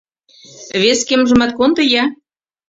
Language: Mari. Вес кемжымат кондо-я!